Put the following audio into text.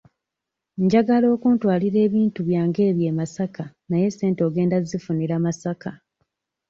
Njagala kuntwalira bintu byange ebyo e Masaka naye ssente ogenda zzifunira Masaka.